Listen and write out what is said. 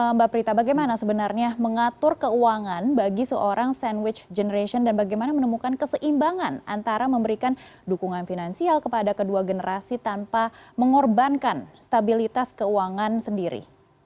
mbak prita bagaimana sebenarnya mengatur keuangan bagi seorang sandwich generation dan bagaimana menemukan keseimbangan antara memberikan dukungan finansial kepada kedua generasi tanpa mengorbankan stabilitas keuangan sendiri